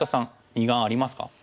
二眼ありますか？